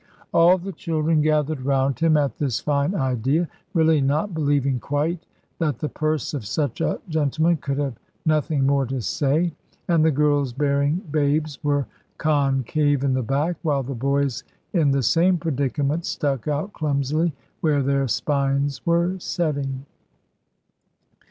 All the children gathered round him at this fine idea, really not believing quite that the purse of such a gentleman could have nothing more to say. And the girls bearing babes were concave in the back, while the boys in the same predicament stuck out clumsily where their spines were setting.